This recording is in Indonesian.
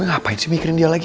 ngapain sih mikirin dia lagi